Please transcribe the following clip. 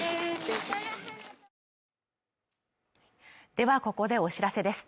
ではここでお知らせです。